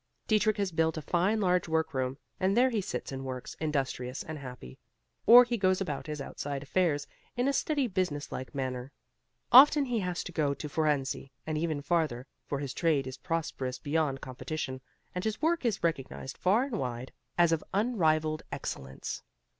Dietrich has built a fine large work room; and there he sits and works, industrious and happy, or he goes about his outside affairs in a steady business like manner. Often he has to go to Fohrensee and even farther; for his trade is prosperous beyond competition and his work is recognized far and wide as of unrivalled excellence.